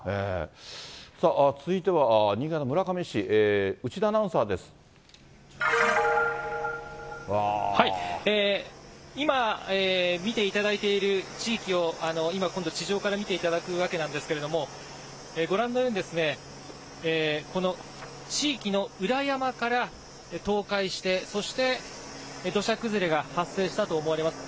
さあ、続いては、新潟・村上市、今、見ていただいている地域を、今、今度地上から見ていただくわけなんですけれども、ご覧のように、この地域の裏山から倒壊して、そして土砂崩れが発生したと思われます。